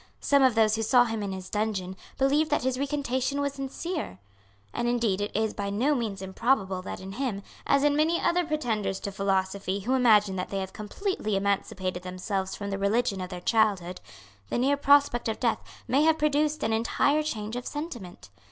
Some of those who saw him in his dungeon believed that his recantation was sincere; and indeed it is by no means improbable that in him, as in many other pretenders to philosophy who imagine that they have completely emancipated themselves from the religion of their childhood, the near prospect of death may have produced an entire change of sentiment.